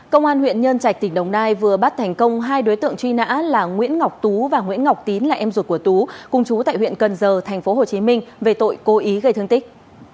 công an huyện nhân trạch tỉnh đồng nai vừa bắt thành công hai đối tượng truy nã là nguyễn ngọc tú và nguyễn ngọc tín là em ruột của tú cùng chú tại huyện cần giờ tp hcm về tội cố ý gây thương tích